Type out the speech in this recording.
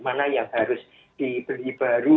mana yang harus dibeli baru